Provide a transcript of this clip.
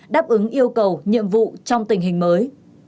đáp ứng yêu cầu nhiệm vụ trong tình hình mới